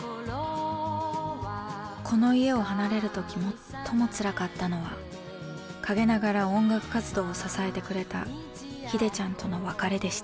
この家を離れる時最もつらかったのは陰ながら音楽活動を支えてくれた秀ちゃんとの別れでした。